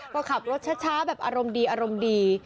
ก็ขับรถช้าแบบอารมณ์ดี